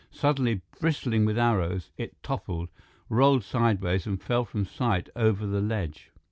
Suddenly bristling with arrows, it toppled, rolled sideways, and fell from sight over the ledge.